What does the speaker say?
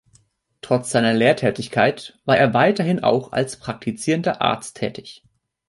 Trotz seiner Lehrtätigkeit war er weiterhin auch als praktizierender Arzt tätig.